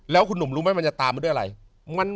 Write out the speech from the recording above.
แล้วคุณหนุ่มรู้ไหมมันจะตามมาด้วยอะไร